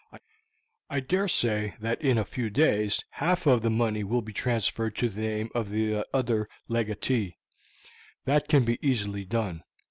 I dare say that in a few days half of the money will be transferred to the name of the other legatee; that can be easily done.